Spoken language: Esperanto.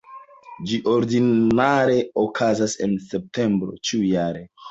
Ĝi ordinare okazas en septembro ĉiujare.